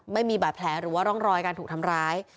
ไม่มีบาดแผลหรือว่าร่องรอยการถูกทำร้าย